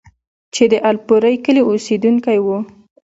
چې د الپورۍ کلي اوسيدونکی وو،